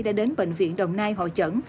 đã đến bệnh viện đồng nai hội trận